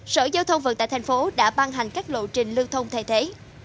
sở giao thông vận tải tp hcm đã ban hành các lộ trình lưu thông thay thế